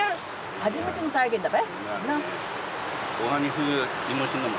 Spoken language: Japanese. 初めての体験だべ。